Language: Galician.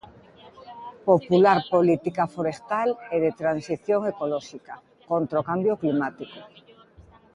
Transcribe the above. Popular política forestal e de transición ecolóxica contra o cambio climático.